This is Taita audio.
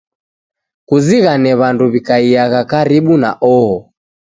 Kuzighane w'andu wi'kaiagha karibu na oho